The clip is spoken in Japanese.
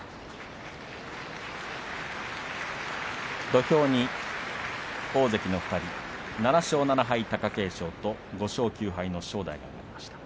土俵に大関の２人７勝７敗の貴景勝と５勝９敗の正代が上がりました。